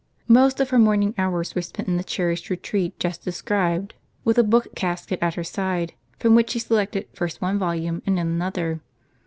Most of her morning hours were spent in the cherished retreat just described, with a book casket at her side, from which she selected first one volume, and then another.